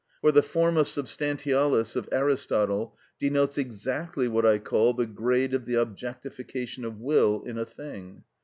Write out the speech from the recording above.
For the forma substantialis of Aristotle denotes exactly what I call the grade of the objectification of will in a thing.